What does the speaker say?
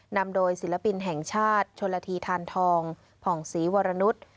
นำโดยศิลปินแห่งชาติชนละทีทานทองผ่องศรีวรนุษย์